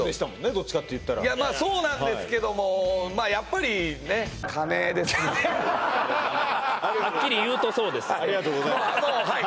どっちかと言ったらまあそうなんですけどもまあやっぱりねはっきり言うとそうですありがとうございますはい